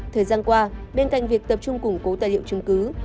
thời gian qua bên cạnh việc tập trung củng cố tài liệu chứng cứ